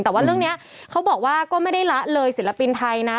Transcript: แต่ว่าเรื่องนี้เขาบอกว่าก็ไม่ได้ละเลยศิลปินไทยนะ